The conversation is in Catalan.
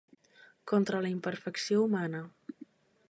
Contra la imperfecció humana.